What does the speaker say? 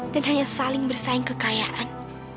dan hanya saling bersaing kekayaan